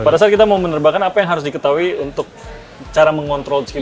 pada saat kita mau menerbangkan apa yang harus diketahui untuk cara mengontrol